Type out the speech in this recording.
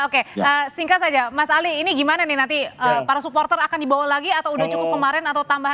oke singkat saja mas ali ini gimana nih nanti para supporter akan dibawa lagi atau udah cukup kemarin atau tambahan